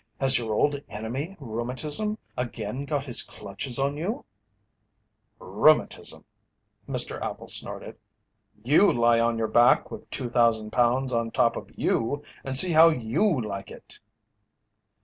Has your old enemy Rheumatism again got his clutches on you?" "Rheumatism!" Mr. Appel snorted. "You lie on your back with 2,000 pounds on top of you and see how you like it!"